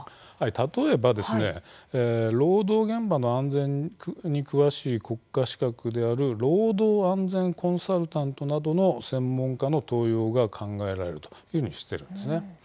例えば労働現場の安全に詳しい、国家資格である労働安全コンサルタントなどの専門家の登用が考えられるというふうにしているんです。